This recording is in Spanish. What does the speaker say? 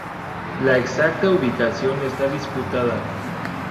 La exacta ubicación está disputada.